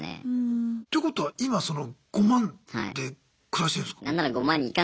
てことは今その５万で暮らしてるんすか？